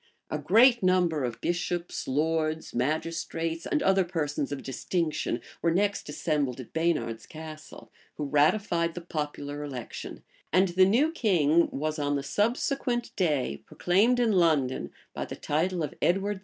[*] A great number of bishops, lords, magistrates, and other persons of distinction were next assembled at Baynard's Castle, who ratified the popular election; and the new king was on the subsequent day proclaimed in London, by the title of Edward IV.